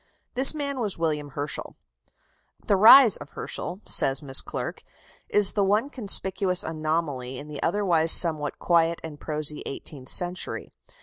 This man was William Herschel. "The rise of Herschel," says Miss Clerke, "is the one conspicuous anomaly in the otherwise somewhat quiet and prosy eighteenth century.